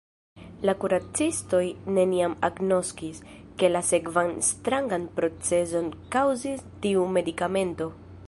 La kuracistoj neniam agnoskis, ke la sekvan strangan procezon kaŭzis tiu medikamento.